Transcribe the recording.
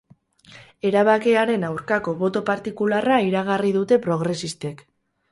Erabakiaren aurkako boto partikularra iragarri dute progresistek.